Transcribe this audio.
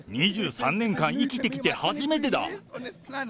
２３年間生きてきて初めてだ。